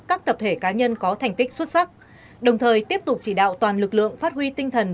các tập thể cá nhân có thành tích xuất sắc đồng thời tiếp tục chỉ đạo toàn lực lượng phát huy tinh thần